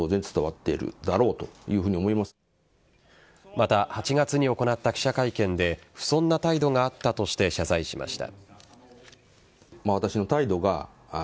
また、８月に行った記者会見で不遜な態度があったとして謝罪しました。